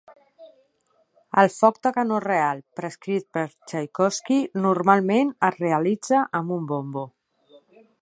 El foc de canó real prescrit per Txaikovski, normalment es realitza amb un bombo.